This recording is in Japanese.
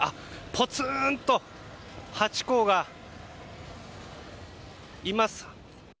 ポツンとハチ公がいます。